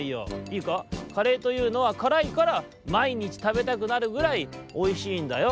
いいかカレーというのはからいからまいにちたべたくなるぐらいおいしいんだよ」。